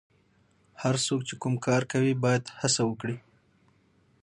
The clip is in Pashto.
هر څوک چې کوم کار کوي باید هڅه وکړي.